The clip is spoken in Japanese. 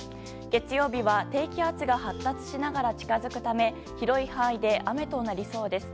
月曜日は低気圧が発達しながら近づくため広い範囲で雨となりそうです。